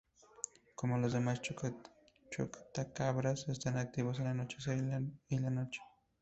Como los demás chotacabras están activos al anochecer y la noche.